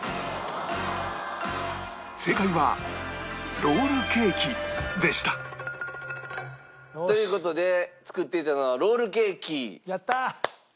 正解はロールケーキでしたという事で作っていたのはロールケーキ。